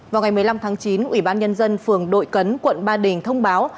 vào ngày một mươi năm tháng chín ủy ban nhân dân phường đội cấn quận ba đình thông báo